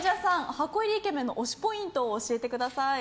箱入りイケメンの推しポイントを教えてください。